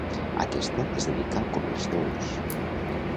Aquesta es dedica al comerç d'ous.